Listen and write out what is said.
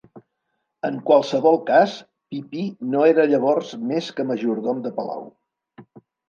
En qualsevol cas, Pipí no era llavors més que majordom de palau.